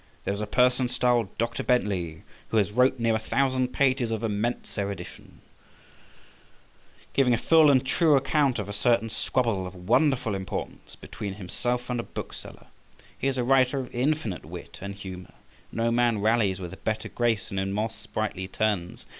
There is a person styled Dr. Bentley, who has wrote near a thousand pages of immense erudition, giving a full and true account of a certain squabble of wonderful importance between himself and a bookseller; he is a writer of infinite wit and humour, no man rallies with a better grace and in more sprightly turns.